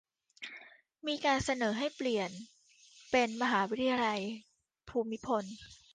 มีการเสนอให้เปลี่ยนเป็น "มหาวิทยาลัยภูมิพล"